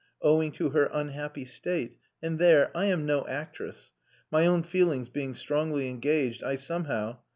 Owing to her unhappy state. And there I am no actress. My own feelings being strongly engaged, I somehow....